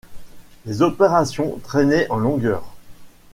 Les opérations traînaient en longueur.